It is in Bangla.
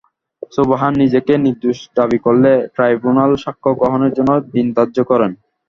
সুবহান নিজেকে নির্দোষ দাবি করলে ট্রাইব্যুনাল সাক্ষ্য গ্রহণের জন্য দিন ধার্য করেন।